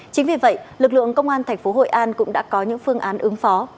chính vì vậy lực lượng công an thành phố hội an cũng đã có những phương án ứng phó